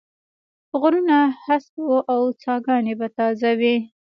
غرونه هسک و او ساګاني به تازه وې